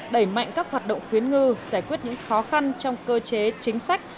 đẩy mạnh các hoạt động khuyến ngư giải quyết những khó khăn trong cơ chế chính sách